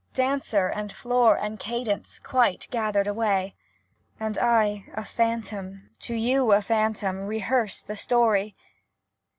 Dancer, and floor, and cadence quite gathered away, and I, a phantom, to you a phantom, rehearse the story